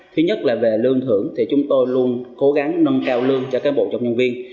thứ nhất là về lương thưởng thì chúng tôi luôn cố gắng nâng cao lương cho các bộ trọng nhân viên